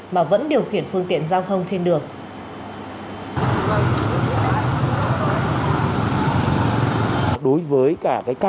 mà vẫn điều khiển phương tiện giao thông trên đường